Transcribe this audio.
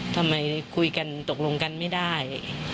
ทำไมคุยกันตกลงกันไม่ได้